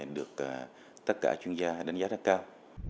được tất cả chuyên gia đánh giá rất cao